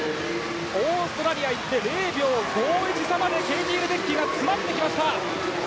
オーストラリアが行って０秒５１差までケイティ・レデッキーが詰まってきました。